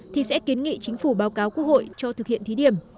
thì sẽ kiến nghị chính phủ báo cáo quốc hội cho thực hiện thí điểm